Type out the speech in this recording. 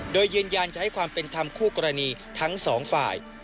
โดยยืนยันจะให้ความเป็นธรรมคู่กรณีทั้งสองฝ่าย